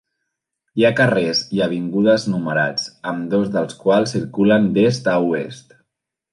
Hi ha carrers i avingudes numerats, ambdós dels quals circulen d'est a oest.